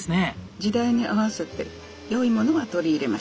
時代に合わせて良いものは取り入れます。